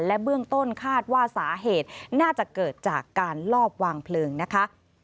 และเบื้องต้นคาดว่าสาเหตุน่าจะเกิดจากการลอบวางเพลิงนะคะ